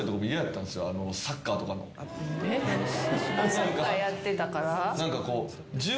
サッカーやってたから？